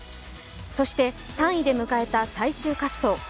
そして、３位で迎えた最終滑走。